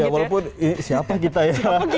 walaupun siapa kita ya